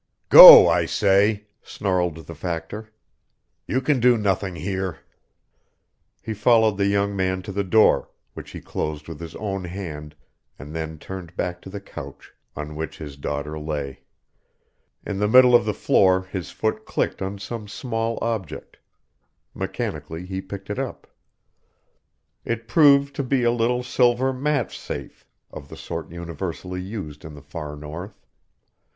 "Go, I say!" snarled the Factor. "You can do nothing here." He followed the young man to the door, which he closed with his own hand, and then turned back to the couch on which his daughter lay. In the middle of the floor his foot clicked on some small object. Mechanically he picked it up. It proved to be a little silver match safe of the sort universally used in the Far North.